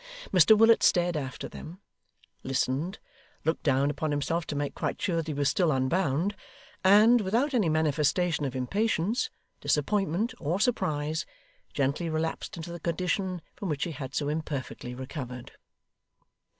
Mr Willet stared after them, listened, looked down upon himself to make quite sure that he was still unbound, and, without any manifestation of impatience, disappointment, or surprise, gently relapsed into the condition from which he had so imperfectly recovered.